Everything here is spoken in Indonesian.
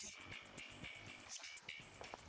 di youtube ada banyak video yang di upload